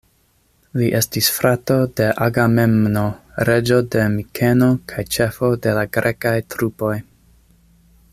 Li estis frato de Agamemno, reĝo de Mikeno kaj ĉefo de la grekaj trupoj.